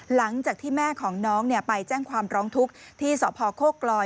หลังจากที่แม่ของน้องไปแจ้งความร้องทุกข์ที่สพโคกลอย